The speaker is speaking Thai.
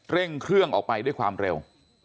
เร่งเครื่องออกไปด้วยความเร็ว